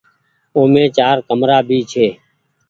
اومي چآر ڪمرآ ڀي ڇي۔